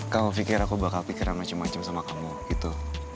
kamu pikir aku bakal pikirkan macem macem sama kamu gitu